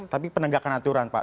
tapi penegakan aturan pak